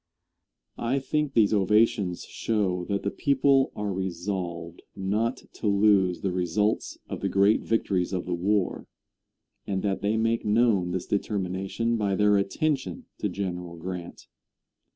I think these ovations show that the people are resolved not to lose the results of the great victories of the war, and that they make known this determination by their attention to General Grant.